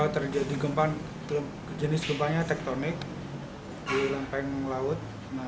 terjadi jenis gempanya tektonik di lempeng laut